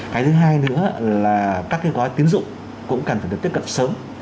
cái thứ hai nữa là các cái gói tiến dụng cũng cần phải được tiếp cận sớm